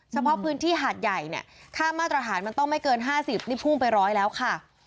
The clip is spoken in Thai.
เฉพาะพื้นที่หาดใหญ่เนี่ยค่ามาตรฐานมันต้องไม่เกิน๕๐นี่พุ่งไปร้อยแล้วค่ะ